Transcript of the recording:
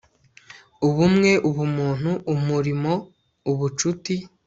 ubumwe, ubumuntu, umurimo, ubucuti